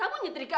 apa kenang kamu